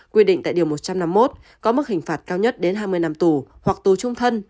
quy định tại điều một trăm năm mươi một có mức hình phạt cao nhất đến hai mươi năm tù hoặc tù trung thân